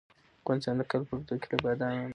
افغانستان د کال په اوږدو کې له بادام ډک وي.